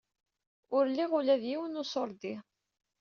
Ur liɣ ula d yiwen n uṣurdi.